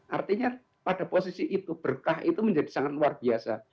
artinya pada posisi itu berkah itu menjadi sangat luar biasa